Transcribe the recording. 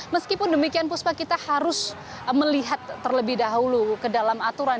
meskipun demikian puspa kita harus melihat terlebih dahulu ke dalam aturan